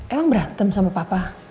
emang berantem sama papa